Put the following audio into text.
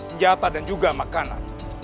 senjata dan juga makanan